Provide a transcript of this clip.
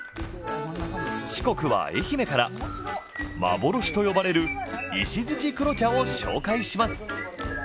四国は愛媛から幻と呼ばれる石鎚黒茶を紹介します。